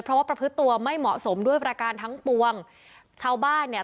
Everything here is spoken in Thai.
เพราะว่าประพฤติตัวไม่เหมาะสมด้วยประการทั้งปวงชาวบ้านเนี่ย